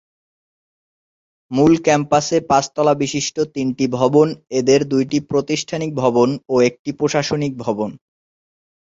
মূল ক্যাম্পাসে পাঁচতলা বিশিষ্ট তিনটি ভবন, এদের দুইটি প্রাতিষ্ঠানিক ভবন ও একটি প্রশাসনিক ভবন।